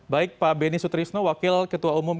baik pak beni sutrisno wakil ketua umum